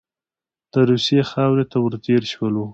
د روسیې خاورې ته ور تېر شولو.